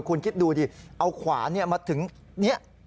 คุณคิดดูดิเอาขวานมาถึงนี้